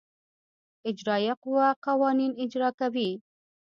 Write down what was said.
اجرائیه قوه قوانین اجرا کوي.